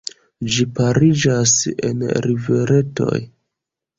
Ĝi pariĝas en riveretoj.